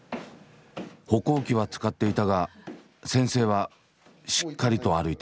歩行器は使っていたが先生はしっかりと歩いていた。